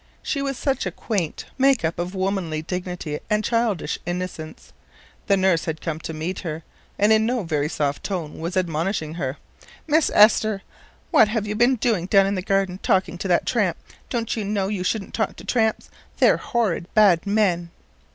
She was such a quaint make up of womanly dignity and childish innocence. The nurse had come to meet her, and in no very soft tone was admonishing her: "Miss Esther, what have you been doing down in the garden, talking to that tramp? Don't you know you shouldn't talk to tramps? They're horrid bad men."